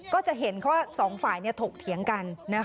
ก็จะเห็นว่าสองฝ่ายถกเถียงกัน